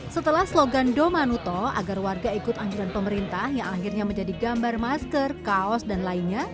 setelah slogan do manuto agar warga ikut anjuran pemerintah yang akhirnya menjadi gambar masker kaos dan lainnya